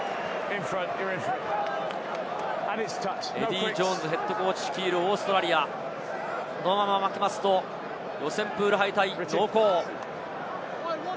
エディー・ジョーンズＨＣ率いるオーストラリア、このまま負けると、予選プール敗退濃厚。